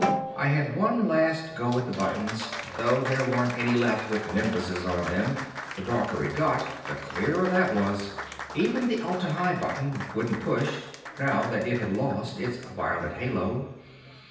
I had one last go at the buttons, though there weren't any left with nimbuses on them the darker it got, the clearer that was. Even the Atla Hi button wouldn't push now that it had lost its violet halo.